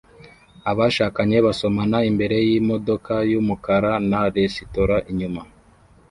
Abashakanye basomana imbere yimodoka yumukara na resitora inyuma